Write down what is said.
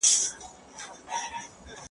دا بری او سخاوت دی چي ژوندی دي سي ساتلای ,